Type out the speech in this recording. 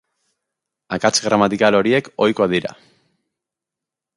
Akats gramatikal horiek ohikoak dira.